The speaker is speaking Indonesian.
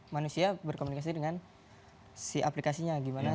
manusia berkomunikasi dengan si aplikasinya gimana